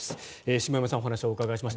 下山さんにお話をお伺いしました。